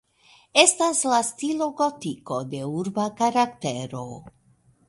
Estas de stilo gotiko, de urba karaktero.